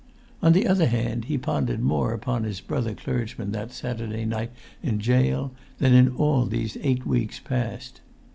On the other hand, he pondered more upon his brother clergymen that Saturday night in gaol than in all these eight weeks past.